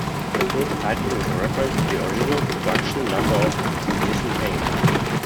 The film's title is a reference to the original production number of "Citizen Kane".